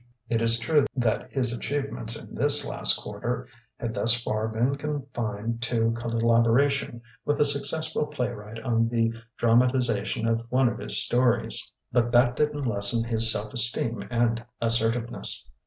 It is true that his achievements in this last quarter had thus far been confined to collaboration with a successful playwright on the dramatization of one of his stories; but that didn't lessen his self esteem and assertiveness.